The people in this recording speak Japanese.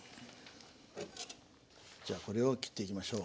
じゃあこれを切っていきましょう。